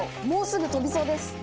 もうすぐ飛びそうです。